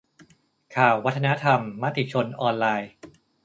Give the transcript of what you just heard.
ข่าววัฒนธรรม มติชนออนไลน์